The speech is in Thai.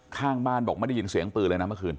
ข้างบ้านบอกไม่ได้ยินเสียงปืนเลยนะเมื่อคืน